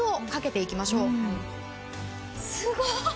すごい。